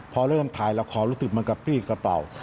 พอเริ่มถ่ายเราขอรู้สึกเหมือนกับพี่กระเป๋า